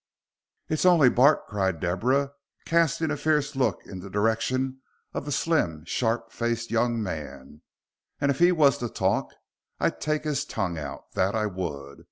"It's only Bart," cried Deborah, casting a fierce look in the direction of the slim, sharp faced young man, "and if he was to talk I'd take his tongue out. That I would.